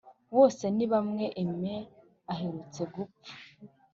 bose ni bamwe aime aherutse gupfa